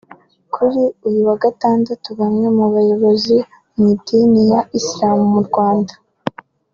Kuri uyu wa Gatandatu bamwe mu bayobozi mu idini ya Islam mu Rwanda